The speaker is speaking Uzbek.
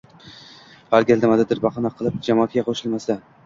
Har gal nimanidir bahona qilib jamoatga qo‘shilmasdi